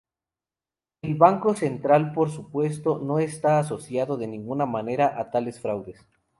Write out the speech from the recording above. El Banco Central, por supuesto, no está asociado de ninguna manera a tales fraudes.